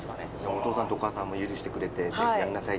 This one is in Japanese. お父さんとお母さんも許してくれてやんなさいって。